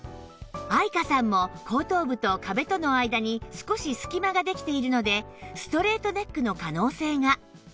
愛華さんも後頭部と壁との間に少し隙間ができているのでストレートネックの可能性が